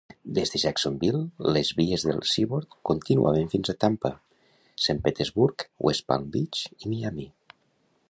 Des de Jacksonville, les vies del Seaboard continuaven fins a Tampa, Saint Petersburg, West Palm Beach i Miami.